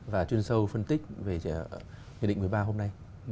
và chuyên sâu phân tích về nghị định một mươi ba hôm nay